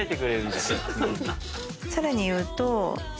さらに言うと。